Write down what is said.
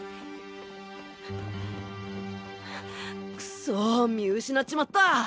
クソッ見失っちまった！